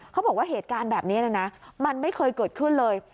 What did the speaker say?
เขาบอกว่าเหตุการณ์แบบนี้นะมันไม่เคยเกิดขึ้นเลย